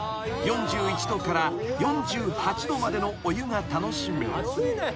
℃から４８℃までのお湯が楽しめる］